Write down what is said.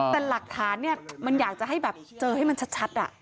แต่หลักฐานเนี่ยมันอยากจะให้แบบเจอให้มันชัด